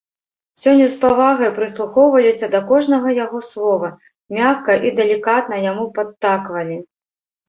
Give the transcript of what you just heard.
Сёння з павагай прыслухоўваліся да кожнага яго слова, мякка і далікатна яму падтаквалі.